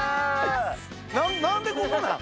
なんでここなん？